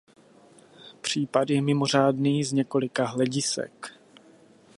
Případ je mimořádný z několika hledisek.